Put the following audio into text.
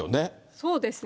そうですね。